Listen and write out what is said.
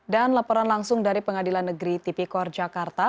dan laporan langsung dari pengadilan negeri tipikor jakarta